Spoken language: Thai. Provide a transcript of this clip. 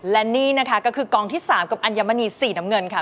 และนี่นะคะก็คือกองที่๓กับอัญมณีสีน้ำเงินค่ะ